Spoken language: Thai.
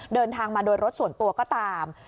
เดินทางมาโดยรถส่วนตัวก็ตาม